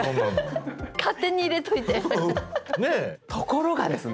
ところがですね